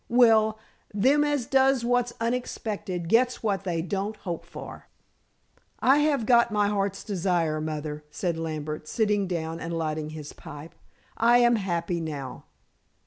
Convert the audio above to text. Well, them as does what's unexpected gets what they don't hope for." "I have got my heart's desire, Mother," said Lambert, sitting down and lighting his pipe. "I am happy now."